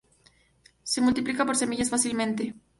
Se multiplica por semillas fácilmente.